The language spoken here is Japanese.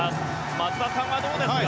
松田さん、どうですか？